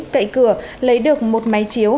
cậy cửa lấy được một máy chiếu